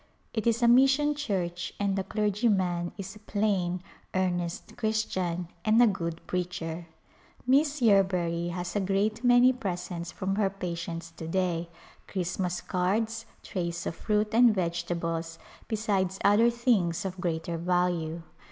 It is a mission church and the clergyman is a plain, earnest Christian and a good preacher. Miss Yerbury has a great many presents from her patients to day, Christmas cards, trays of fruit and veg etables, besides other things of greater value.